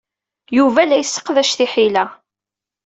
Yuba la yesseqdac tiḥila.